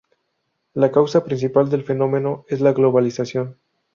La causa principal del fenómeno es la globalización.